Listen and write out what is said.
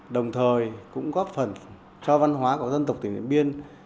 đồng thời cũng góp phần cho văn hóa của dân tộc tỉnh điện biên